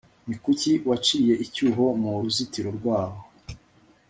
ni kuki waciye icyuho mu ruzitiro rwawo